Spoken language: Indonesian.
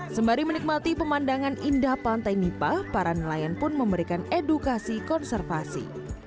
sembari menikmati pemandangan indah pantai nipah para nelayan pun memberikan edukasi konservasi